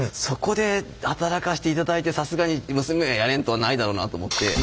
そこで働かせていただいてさすがに娘はやれんとはないだろうなと思って。